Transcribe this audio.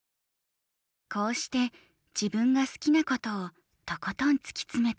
こうして自分が好きなことをとことん突き詰めたレウォン君。